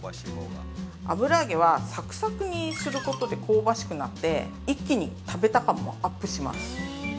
油揚げは、サクサクにすることで、香ばしくなって、一気に食べた感もアップします。